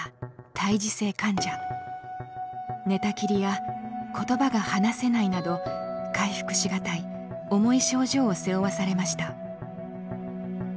寝たきりや言葉が話せないなど回復しがたい重い症状を背負わされました。